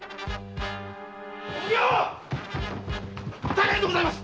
大変でございます！